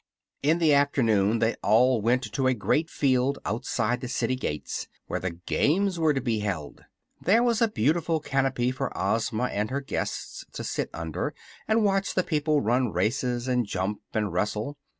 In the afternoon they all went to a great field outside the city gates where the games were to be held. There was a beautiful canopy for Ozma and her guests to sit under and watch the people run races and jump and wrestle.